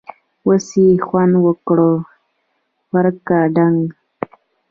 اوس یې خوند وکړ٬ ورکه ډنګ!